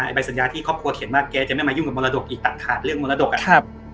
ใบสัญญาที่ครอบครัวเขียนว่าแกจะไม่มายุ่งกับมรดกอีกตัดขาดเรื่องมรดกอะ